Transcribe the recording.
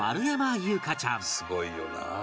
「すごいよな」